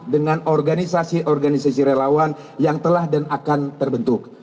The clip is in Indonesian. dengan organisasi organisasi relawan yang telah dan akan terbentuk